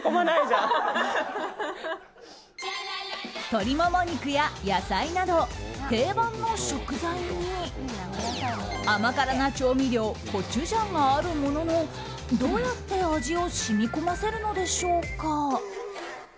鶏モモ肉や野菜など定番の食材に甘辛な調味料コチュジャンがあるもののどうやって味を染み込ませるのでしょうか。